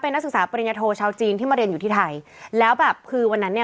นักศึกษาปริญญาโทชาวจีนที่มาเรียนอยู่ที่ไทยแล้วแบบคือวันนั้นเนี่ย